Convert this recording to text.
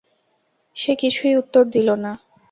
সে কিছুই উত্তর দিল না।